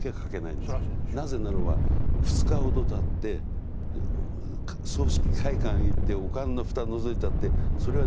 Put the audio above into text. なぜならば２日ほどたって葬式会館へ行ってお棺の蓋のぞいたってそれはね